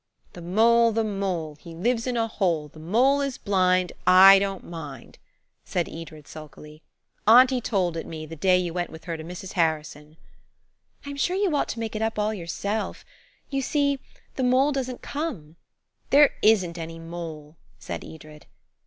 "'The mole, the mole, He lives in a hole. The mole is blind; I don't mind,'" said Edred sulkily. "Auntie told me it the day you went to her with Mrs. Harrison." "I'm sure you ought to make it up all your self. You see, the mole doesn't come." "There isn't any mole," said Edred.